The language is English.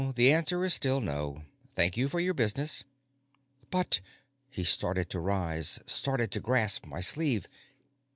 The answer is still no. Thank you for your business." "But " He started to rise, started to grasp my sleeve.